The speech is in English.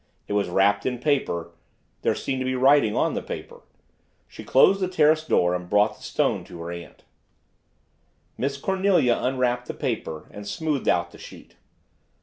It was wrapped in paper; there seemed to be writing on the paper. She closed the terrace door and brought the stone to her aunt. Miss Cornelia unwrapped the paper and smoothed out the sheet.